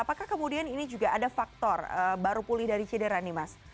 apakah kemudian ini juga ada faktor baru pulih dari cedera nih mas